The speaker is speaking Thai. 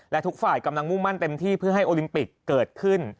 และทุกฝ่ายกำลังมุ่งมั่นเต็มที่เพื่อให้โอลิมปิกเกิดขึ้น